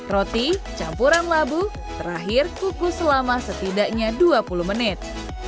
roti campuran labu terakhir kukus selama setidaknya dua puluh menit